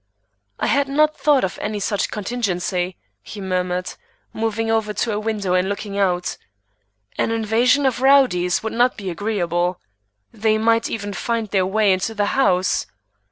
"I had not thought of any such contingency," he murmured, moving over to a window and looking out. "An invasion of rowdies would not be agreeable. They might even find their way into the house."